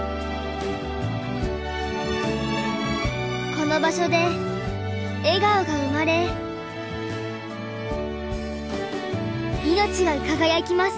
この場所で笑顔が生まれいのちが輝きます。